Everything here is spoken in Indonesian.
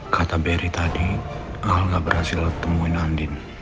kata barry tadi al gak berhasil ketemuin andin